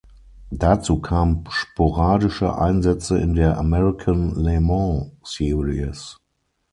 Dazu kamen sporadische Einsätze in der American Le Mans Series.